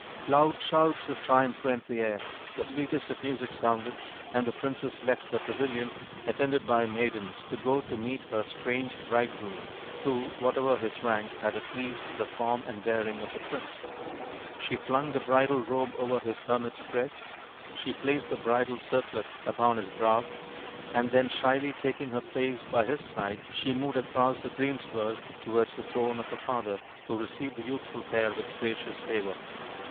Loud shouts of triumph rent the air, the sweetest of music sounded, and the princess left her pavilion, attended by her maidens, to go to meet her strange bridegroom, who, whatever his rank, had at least the form and bearing of a prince. She flung the bridal robe over his hermit's dress ; she placed the bridal circlet upon his brow ; and then shyly taking her place by his side she moved across the greensward towards the throne of her father, who received the youthful pair with gracious favour.